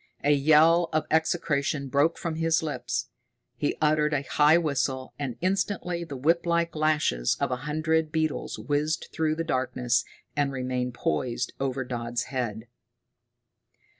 A yell of execration broke from his lips. He uttered a high whistle, and instantly the whiplike lashes of a hundred beetles whizzed through the darkness and remained poised over Dodd's head.